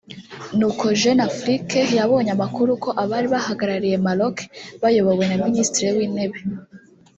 ni uko Jeune Afrique yabonye amakuru ko abari bahagarariye Maroc bayobowe na Minisitiri w’Intebe